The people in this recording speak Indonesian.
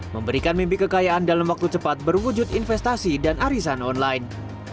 memberikan mimpi kekayaan dalam waktu cepat berwujud investasi dan arisan online